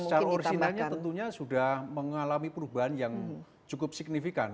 secara originalnya tentunya sudah mengalami perubahan yang cukup signifikan